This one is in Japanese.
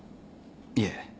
いえ。